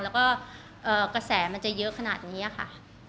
แล้วก็กระแสมันจะเยอะขนาดนี้ค่ะ